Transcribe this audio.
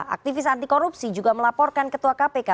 aktivis anti korupsi juga melaporkan ketua kpk